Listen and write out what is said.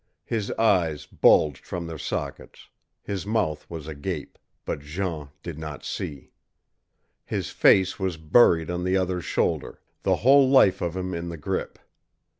His eyes bulged from their sockets, his mouth was agape, but Jean did not see. His face was buried on the other's shoulder, the whole life of him in the grip.